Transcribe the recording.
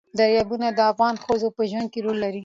دریابونه د افغان ښځو په ژوند کې رول لري.